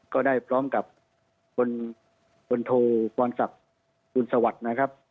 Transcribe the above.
ก็ได้พร้อมกับคนคนโทษภวรศัพท์อุณสวรรคนะครับ